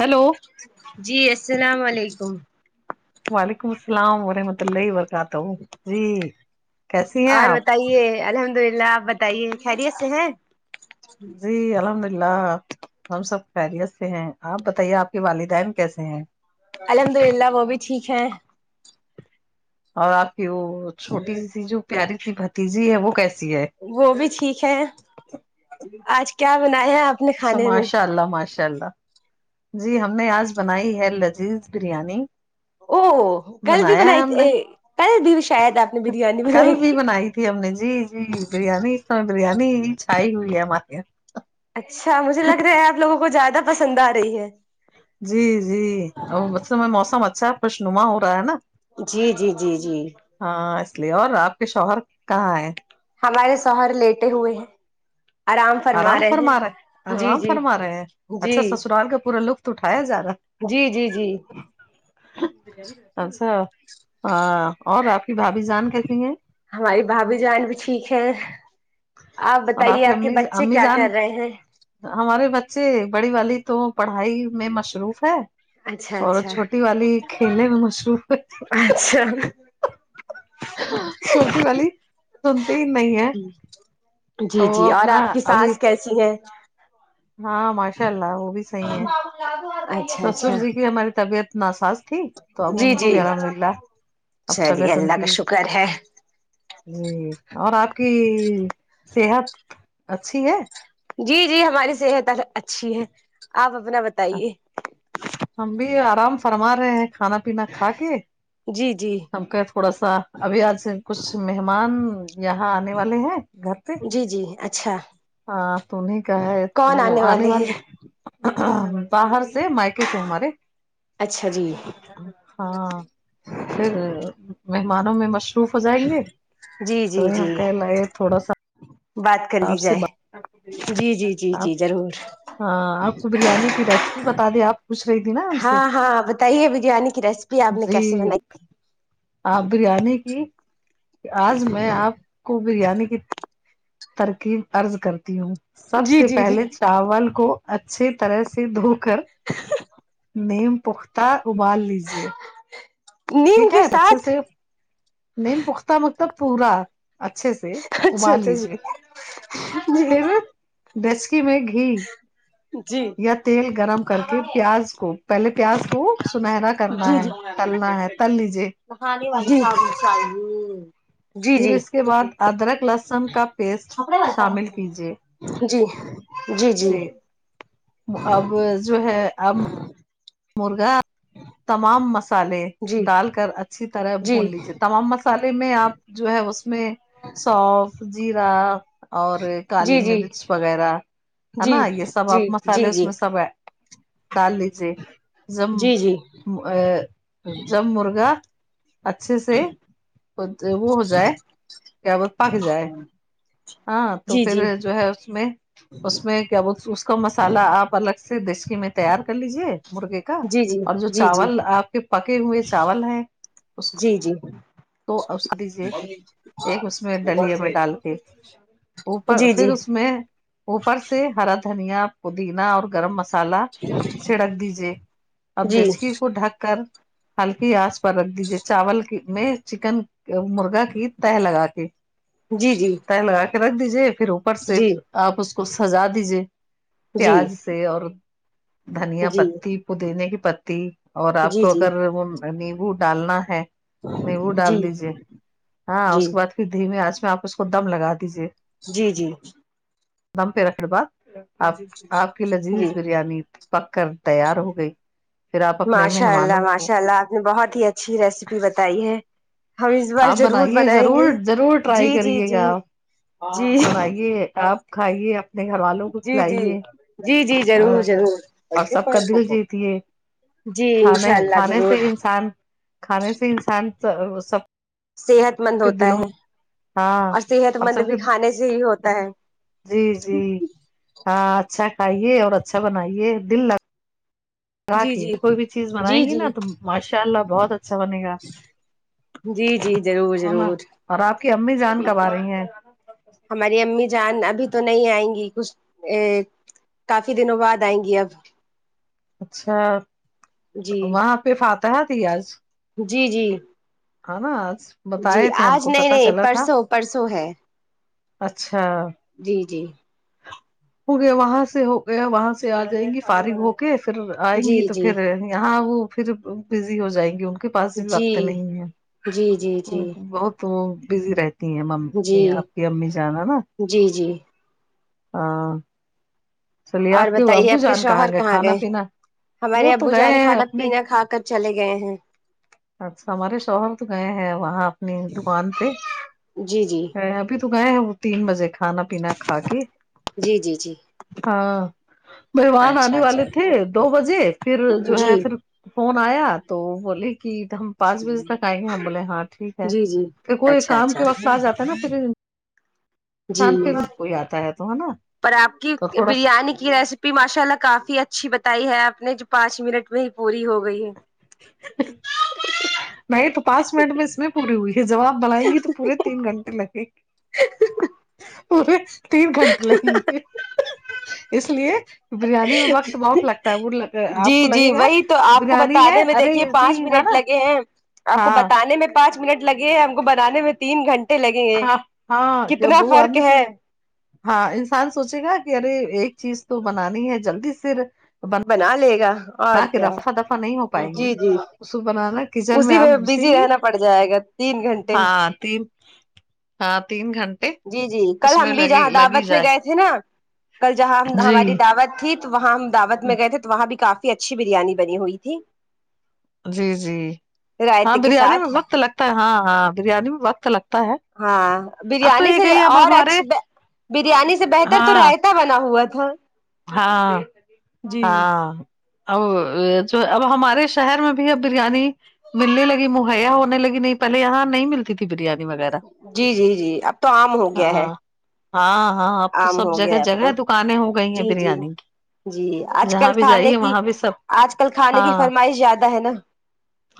hello جی السلام علیکم وعلیکم السلام ورحمۃ اللہ وبرکاتہ جی کیسی ہیں اور آپ بتائیے الحمد للہ آپ بتائیے خیریت سے ہیں جی الحمد للہ ہم سب خیریت سے ہیں آپ بتائیے آپ کے والدین کیسے ہیں الحمد للہ وہ بھی ٹھیک ہے اور آپ کی وہ چھوٹی سی جو پیاری سی بھتیجی ہے وہ کیسی ہے وہ بھی ٹھیک ہے آج کیا بنایا ہیں آپ نے اچھا کھانے میں ماشاء اللہ ماشاء اللہ جی ہم نے آج بنائی ہے لذیذ بریانی او کل بھی بنایا ہے بنائی ہم نے کل بھی شاید آپ نے بریانی کل بھی بنائی تھی ہم نے جی جی بریانی اس سے بریانی چھائی ہوئی ہے ہمارے یہاں اچھا مجھے لگ رہا ہے آپ لوگوں کو زیادہ پسند آ رہی ہے جی جی اس میں موسم اچھا ہے خوش نما ہو رہا ہے نا جی جی جی جی ہاں اس لیے اور آپ کے شوہر کہاں ہے ہمارے شوہر لیٹے ہوئے ہیں آرام فرما رہے آرام فرما رہے ہیں جی اچھا سسرال کا پورا لطف اٹھا یا زیادا جی جی جی اچھا ہاں اور آپ کی بھابھی جان کیسی ہے ہماری بھابھی جان بھی ٹھیک ہے آپ اور بتائیے کی آپ کے امی بچے امی کیا جان کر رہے ہیں ہمارے بچے بڑی والی تو پڑھائی میں مصروف ہے اچھا اور اچھا چھوٹی والی کھیلنے میں مصروف ہے اچھا چھوٹی والی سنتے ہی نہیں ہے جی وہ جی اور اپنا آپ کی ابھی ساس کیسی ہے ہاں ماشاء اللہ وہ بھی صحیح ہے اچھا سسر اچھا جی کی ہماری طبیعت ناساز ٹھیک تو اب جی ان کو جی بھی الحمد للہ اب چلیے تبیعت ان اللہ کا کی شکر ہے جی اور آپ کی صحت اچھی ہے جی جی ہماری صحت اچھی ہے آپ اپنا بتائیے ہم بھی آرام فرما رہے ہیں کھانا پینا کھا کے جی جی ہم کہ تھوڑا سا ابھی آج کچھ مہمان یہاں آنے والے ہیں گھر پہ جی جی اچھا ہاں تو انہیں کا ہے وہ آنے والے باہر سے مائکے سے ہمارے اچھا جی ہاں پھر مہمانوں میں مش ہو جائیں گے جی تو جی جی تھوا سا بات کر لی آپ سے جائے ب جی جی جی جی ضرور ہاں آپ کو بریانی کی ریسیپی بتا دیں آپ پوچھ رہی تھی نا ہم سے ہاں ہاں بتائیے بریانی کی ریسیپی آپ نے جی کیسی بنائی تھی آپ بریانی کی آج میں آپ کو بریانی کی ترکیب ارض کرتی ہوں سب جی سے جی جی پہلے چاول کو اچھی طرح سے دھو کر نیم پختہ ابال لیجیے نیم ٹھیک کے ہے اچھے ساتھ سے نیم پختہ مطلب پورا اچھے سے اچھا ابال اچھا لیجیے جی پھر ڈچکی میں گھی جی یا تیل گرم کر کے پیاز کو پہلے پیاز کو سنہرا کرنا ہے تلنا ہے تل لیجیے نہانے والی شی چاہیے پھر اس کے بعد ادرک لہسن کا پیسٹ شامل کیجے جی جی سے اب جو ہے اب مرغا تمام مسالے جی ڈال کر اچھی طرح جی جی بھون لیجیے تمام مسال میں آپ جو ہے اس میں سوف جیرا اور جی کالی جی مرچ وغیرہ ہے جی نا یہ سب جی آپ جی مسالے اس میں سب ہے ڈال لیجیے زم جی ا زم مرغا اچھے سے وہ ہو جائے وہ پک جائے ہاں تو جی جی پھر جو ہے اس میں اس میں کیا اس کا مسالہ آپ الگ سے صر دسک میں تیار کر لیجیے مرغے کا جی جی جی جی جی اور جو چاول آپ کے پکے ہوئے چاول ہیں اس کو تو اس کو دیجیے ایک اس میں ڈلیا میں ڈال کے اوپر جی جی جی پھر اس میں اوپر سے ہرا دھنیا پودینا اور گرم مسالہ سال سڑک دیجیے اب جی جی جی دچکی کو ڈھک کر ہلکی آچ پر رکھ دیجے چاول میں چکن مرغا کی تیر لگا کے جی جی جی جی تیر لگا کے رکھ دیجیے پھر اوپر سے آپ اس کو سجا دیجیے پیاز سے اور جی جی جی جی دھنیا پتی پودینے کی پتی اور آپ کو اگر وہ نیمبو ڈالنا ہے نہیں وہ ڈال دیجے ہاں جی اس کے بعد پھر دھیمی آنچ میں آپ اس کو دم لگا دیجیے جی جی دم پہ رکر بات آپ آپ کی لذیذ جی بریانی پکر تیار ہو گئی پھر آپ اپنے ماشاء اللہ مہمانوں کو ماشاء اللہ آپ نے بہت ہی اچھی ریسیپی بتائی ہے ہم اس بار آپ ضرور بنائیے بنائیں ضرور گے ضرور جی ٹرائی جی کریے جی گا آپ جی بنائیے آپ کھائیے اپنے گھر والوں کو جی جی کھلائیے جی جی ضرور ضرور اور سب کا دل جیتیے جی کھانے انشاء اللہ کھانے سے ضرور انسان کھانے سے انسان سب صحت مند کے ہوتا دلوں ہے میں ہاں اور صحت مند سب بھی کے کھانے سے ہی ہوتا ہے جی جی ہاں اچھا کھائیے اور اچھا بنائیے دل لگ راک جی جی کوئی بھی چیز بنائیں جی گی نا جی تو ماشاء اللہ بہت اچھا بنے گا جی جی ضرور ضرور اور آپ کی امی جان کب آ رہی ہیں ہماری امی جان ابھی تو نہیں آئیں گی کچھ ا کافی دنوں بعد آئیں گی اب اچھا جی وہاں پہ فاتح تھی آج جی جی ہے نا آج جی بتائے تھے ہم آج کو نہیں پتا نہیں چلا تھا پرسوں پرسوں ہے اچھا جی جی ہو گیا وہاں سے ہو گیا وہاں سے آ جائیں گی فارگ ہو کے پھر آئیں جی گی تو جی پھر یہاں وہ پھر بزی ہو جائیں گی کے پاس بھی وقت جی نہیں ہے جی جی جی بہت تو بزی رہتی ہیں امی جی آپ کی امی جان نا جی جی ہاں چلیے اور آپ کے بتائیے ابو آپ کے جان شوہر کہاں کھانا گئے پینا ہمارے وہ تو ابو گئے جان ہیں کھانا اپنے پینا کھا کر چلے گئے ہیں اچھا ہمارے شوہر تو گئے ہیں وہاں اپ دکان پہ جی جی ابھی تو گئے ہیں وہ تین بجے کھانا پینا کھا کے جی جی جی ہاں مہمان اچھا آنے اچھا والے تھے دو بجے پھر جو ہے جی پھر فون آیا تو بولے کہ ہم پانچ بجے تک آئیں گے ہم بول ہاں ٹھیک ہے جی جی پھر کوئی اچھا کام اچھا کے وقت آ جاتا ہے نا پھر جی انسان پھر کوئی آتا ہے تو ہے نا پر آپ کی تو تھوڑا سا بریانی کی ریسیپی ماشاء اللہ کافی اچھی بتائی ہے آپ نے جو پانچ منٹ میں ہی پوری ہو گئی ہے نہیں تو پانچ منٹ میں اس میں پوری ہوئی ہے جب آپ بلائیں گی تو پورے تین گھنٹے لگے گے پورے تین گھنٹے لگیں گے اس لیے بریانی میں وقت بہت لگتا ہے وہ آپ کو جی لگے جی گا وہی تو کہ آپ کو بریانی ہے بتانے میں ارے دیکھیے پانچ ہے منٹ نا ہیں آپ کو ہاں بت نے میں پانچ منٹ لگے ہیں ہم کو بنانے میں تین گھنٹے لگیں گے ہاں ہاں کتنا جب وہ فرق آدمی ہے سوچ ہاں انسان سوچے گا کہ ارے ایک چیز تو بنانی ہے جلدی سے بنا لے گا اور کے کیا رفع دفع نہیں ہو پائیں گے جی جی اس کو بنانا کچن اسی آپ میں گھسیں بزی گی رہنا پڑ جائے گا تین گھنٹے ہاں تین ہاں تین گھنٹے جی جی کل اس میں ہم بھی لگے جہاں لگی دعوت میں جائے گئے تھے نا کل جہاں ہم جی ہماری دعوت تھی وہاں ہم دعوت میں گئے تھے تو وہاں بھی کافی اچھی بریانی بنی ہوئی تھی جی جی ہاں رائتے کے بریانی میں ساتھ وقت لگتا ہے ہاں ہاں بریانی میں وقت لگتا ہے ہاں اب تو بریانی یہ سے کہیے اب اور ہمارے اچھی بریانی سے بہتر تو ہاں ریتا بنا ہوا تھا ہاں ہاں جو اب ہمارے شہر میں بھی اب بریانی ملنے لگی مہیا ہونے لگی نہیں پہلے یہاں نہیں ملتی تھی بریانی وغیرہ جی جی جی اب تو عام ہو گیا ہے ہاں ہاں ہاں اب تو آم سب ہو گیا جگہ ہے اب تو جگہ دکانیں ہو گئی ہیں جی جی بریانی کی جی آج کل جہاں بھی کھانے جائیے کی وہاں بھی سب آج کل کھانے کی ہاں فرمائش زیادہ ہے نا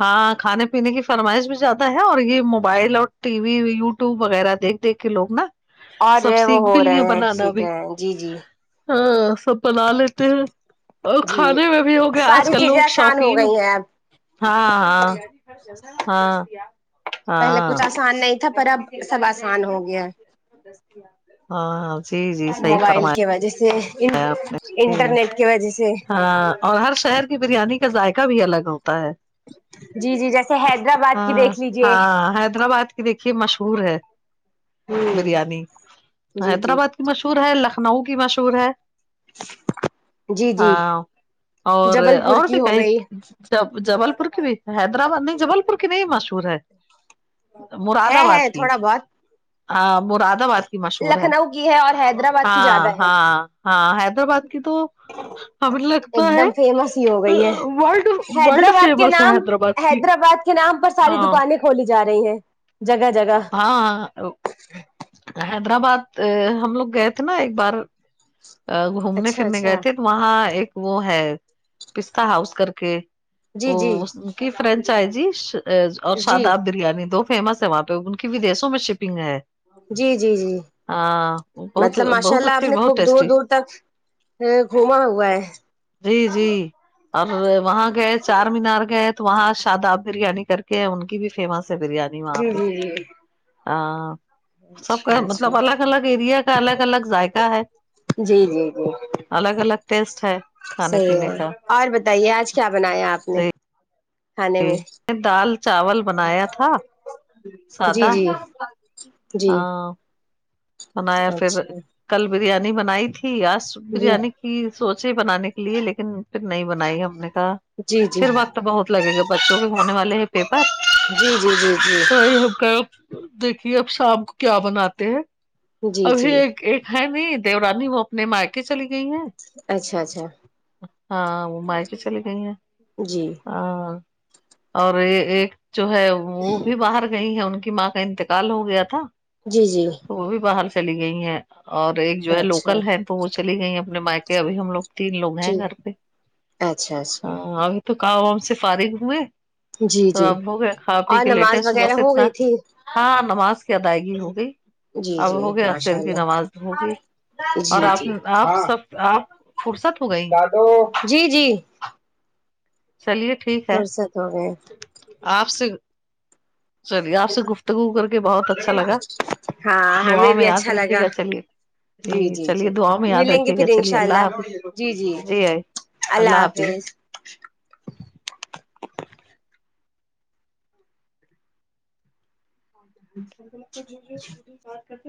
ہاں کھانے پینے کی فرمائش بھی زیادہ ہے اور یہ موبائل اور ٹی وی یوٹیوب وغیرہ دیکھ دیکھ کے لوگ نا اور جو سب ہے وہ سیکھ ہو بھی رہے ہیں سیکھ رہے ہیں جی جی ہ سب بنا لیتے ہیں اور جی کھانے میں بھی ہو گیا آج ساری کل چیزیں لوگ آسان ہو شوقین گئی ہیں اب ہاں ہاں ہاں پہلے کچھ ہاں آسان نہیں تھا پر اب سب آسان ہو گیا ہاں ہاں جی جی صحیح موبائل فرما کی و [unintelligible] ان نے ہاں اور ہر شہر کی بریانی کا ذائقہ بھی الگ ہوتا ہے جی جی جیسے حیدرآباد کی ہاں دیکھ لیجیے ہاں حیدرآباد دیکھیے مشہور ہے ہوں بریانی جی جی حیدرآباد مشہور ہے لکھنؤ کی مشہور ہے [inaudible] جی ہاں اور جبل پور اور کی بھی ہو کئی گئی جب جبل پور کی بھی حیدرآباد نہیں جبل پور کی بھی مشہور ہے مراد ہے آباد ہے کی تھوڑا بہت ہاں مراد آباد کی مشہور ہے لکھنؤ کی اور حیدرآباد کی ہاں زیادہ ہے ہاں ہاں حیدرآباد کی تو ہمیں لگتا ایک ہے دم فیمس ہی ہو اور گئی ہے اں ورلڈ ورلڈ حیدرآباد کے فیمس ہے نام حیدرآباد کی حیدرآباد کے نام پر ساری ہاں دکانیں کھولی جا رہی ہیں جگہ جگہ ہاں حیدرآباد ہم لوگ گئے تھے نا ایک بار گھومنے اچھا پھرنے گئے اچھا تھے تو وہاں ایک وہ ہے پستا ہاؤس کر کے جی وہ جی اس کی فرینچائزی اور جی شاداب بریانی دو فیمس ہے وہاں پہ ان کی ودیسوں میں شپنگ ہے جی جی جی ہاں بہت مطلب ماشاء بہت اللہ آپ اچھی نے بہت خوب دور ٹیسٹی دور تک گھوما ہوا ہے جی جی اور وہاں گئے چار مینار گئے تو وہاں شاداب بریانی کر کے ان کی بھی فیمس ہے بریانی وہاں جی پہ جی جی ہ سب اچھا کا اچھا مطلب الگ الگ ایریا کا الگ الگ ذائقہ ہے جی جی جی الگ الگ ٹیسٹ ہے کھانے صحیح پینے ہے اور کا بتائیے آج کیا بنایا آپ نے کھانے میں دال چاول بنایا تھا جی سادہ جی جی ہاں بنایا پھر اچھا کل بریانی بنائی تھی آج جی بریانی کہ سوچے بنانے کے لیے لیکن پھر نہیں بنائی ہم نے کہا جی جی پھر جی وقت بہت لگے گا بچوں کے ہونے والے ہیں پیپر جی جی تو جی وہی ہم کب دیکھیے اب شام کو کیا بناتے ہیں جی ابھی جی ایک ایک ہے نی دیورانی وہ اپنے میکے چلی گئی ہیں اچھا اچھا ہاں وہ میکے چلی گئی ہیں جی ہ اور ایک جو ہے وہ بھی باہر گئی ہے ان کی ماں کا انت قال ہو گیا تھا جی جی تو وہ بھی باہر چلی گئی ہیں اور ایک جو ہے اچھا لوکل ہے تو وہ چلی گئی ہیں اپنے میکے ابھی ہم لوگ تین لوگ ہیں جی گھر پہ اچھا اچھا ہاں ابھی تو کام وام سے فارغ ہوئے جی تو جی آپ ہو گئے کھا پی اور کے لیٹے ہیں نماز صبح وغیرہ سے ہو اتنا گئی تھی ہاں نماز کی ادائیگی ہو گئی جی اب جی ہوگیا ماشاء عصر کی اللہ نماز ہوگی جی اور آپ جی آپ سب آپ فرصت ہو گئی دادو جی جی چلیے ٹھیک ہے فرصت ہو گئے آپ سے چلیے آپ سے گفتگو کر کے بہت اچھا لگا ہاں دعا ہمیں بھی میں یاد اچھا رکھیے لگا گا چلیے جی جی چلیے جی دعا میں یاد ملیں گے رکھیے پھر گا چلیے انشاء اللہ حافظ جی جی اللہ حافظ [unintelligible]